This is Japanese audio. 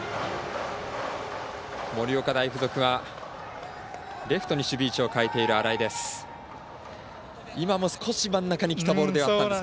盛岡大付属はレフトに守備位置を変えている新井です。